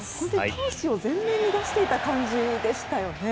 闘志を前面に出していた感じでしたよね。